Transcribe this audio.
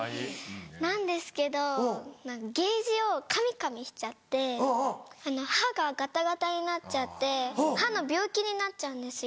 なんですけどケージをかみかみしちゃって歯がガタガタになっちゃって歯の病気になっちゃうんですよ。